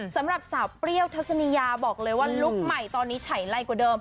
สำหรับสาวเปรี้ยวทัศนียาบอกเลยว่าลุคใหม่ตอนนี้ไฉไล่กว่าเดิม